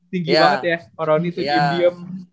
tinggi banget ya koroni tuh diem diem